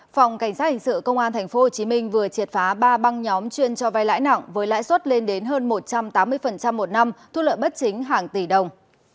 phòng cảnh sát hình sự công an tp hcm vừa triệt phá ba băng nhóm chuyên cho vai lãi nặng với lãi suất lên đến hơn một trăm tám mươi một năm thu lợi bất chính hàng tỷ đồng